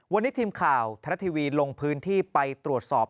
วันนี้ทีมข่าวไทยรัฐทีวีลงพื้นที่ไปตรวจสอบ